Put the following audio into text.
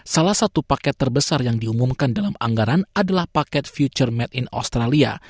salah satu paket terbesar yang diumumkan dalam anggaran adalah paket future made in australia